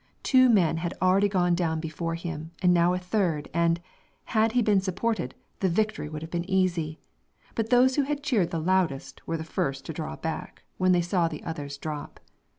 Two men had already gone down before him, and now a third, and, had he been supported, the victory would have been easy; but those who had cheered the loudest were the first to draw back, when they saw the others drop.